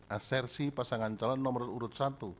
asersi pasangan calon nomor urut satu